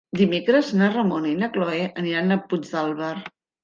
Dimecres na Ramona i na Cloè aniran a Puigdàlber.